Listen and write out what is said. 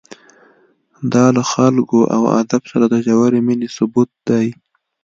دا له خلکو او ادب سره د ژورې مینې ثبوت دی.